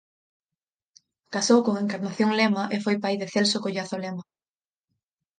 Casou con Encarnación Lema e foi pai de Celso Collazo Lema.